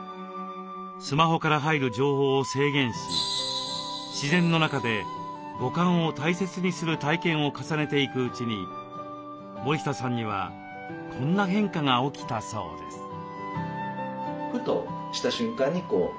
スマホから入る情報を制限し自然の中で五感を大切にする体験を重ねていくうちに森下さんにはこんな変化が起きたそうです。